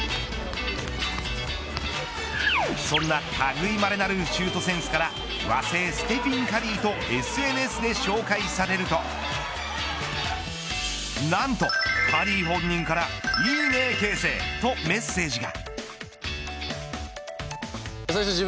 そんな類まれなるシュートセンスから和製ステフィン・カリーとＳＮＳで紹介されるとなんとカリー本人からいいね、啓生とメッセージが。